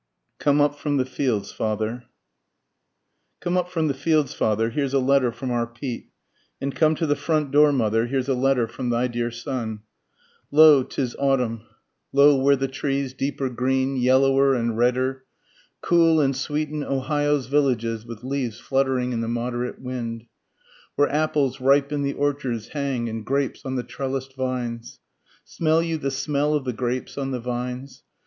COME UP FROM THE FIELDS FATHER. Come up from the fields father, here's a letter from our Pete, And come to the front door mother, here's a letter from thy dear son. Lo, 'tis autumn, Lo, where the trees, deeper green, yellower and redder, Cool and sweeten Ohio's villages with leaves fluttering in the moderate wind, Where apples ripe in the orchards hang and grapes on the trellis'd vines, (Smell you the smell of the grapes on the vines?